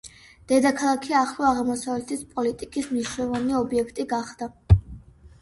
დედაქალაქი ახლო აღმოსავლეთის პოლიტიკის მნიშვნელოვანი ობიექტი გახდა.